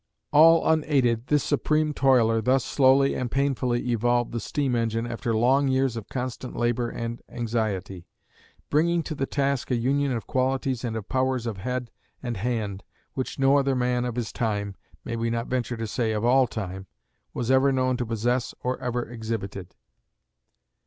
All unaided, this supreme toiler thus slowly and painfully evolved the steam engine after long years of constant labor and anxiety, bringing to the task a union of qualities and of powers of head and hand which no other man of his time may we not venture to say of all time was ever known to possess or ever exhibited.